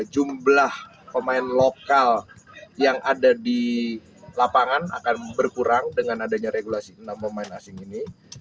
jumlah pemain lokal yang ada di lapangan akan berkurang dengan adanya regulasi enam pemain asing ini